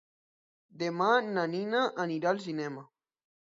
Demà na Nina anirà al cinema.